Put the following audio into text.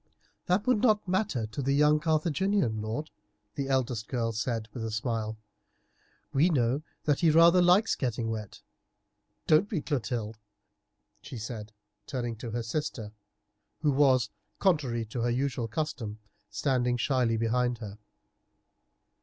"That would not matter to the young Carthaginian lord," the eldest girl said with a smile; "we know that he rather likes getting wet, don't we, Clotilde?" she said, turning to her sister, who was, contrary to her usual custom, standing shyly behind her.